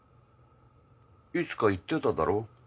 いつか言ってただろ。